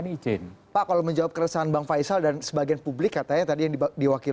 ini izin pak kalau menjawab keresahan bang faisal dan sebagian publik katanya tadi yang diwakil